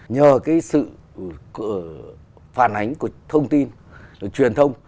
nhờ cái sự phản ánh của thông tin rồi truyền thông